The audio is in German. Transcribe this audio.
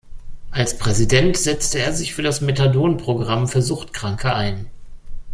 Als Präsident setzte er sich für das Methadon-Programm für Suchtkranke ein.